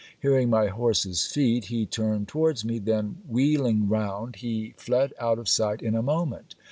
Hearing my horse's feet, he turned towards me; then, wheeling round, he fled out of sight in a moment.